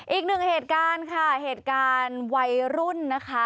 อีกหนึ่งเหตุการณ์ค่ะเหตุการณ์วัยรุ่นนะคะ